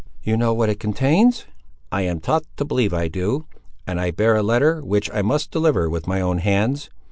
"You know what it contains?" "I am taught to believe I do; and I bear a letter, which I must deliver with my own hands.